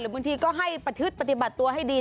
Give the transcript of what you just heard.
บางทีก็ให้ประทึกปฏิบัติตัวให้ดี